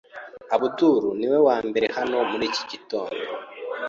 Abdul niwe wambere hano muri iki gitondo.